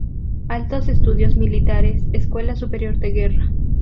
Altos Estudios Militares, Escuela Superior de Guerra.